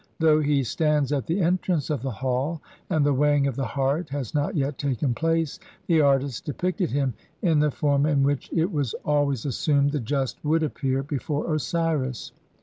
Though he stands at the entrance of the Hall and the weighing of the heart has not yet taken place, the artist de picted him in the form in which it was always assumed the just would appear before Osiris.